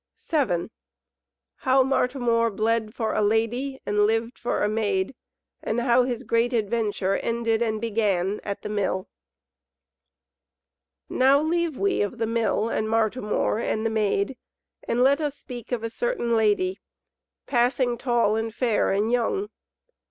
VII How Martimor Bled for a Lady and Lived for a Maid, and how His Great Adventure Ended and Began at the Mill Now leave we of the Mill and Martimor and the Maid, and let us speak of a certain Lady, passing tall and fair and young.